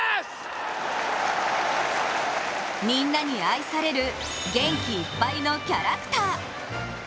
みんなに愛される元気いっぱいのキャラクター。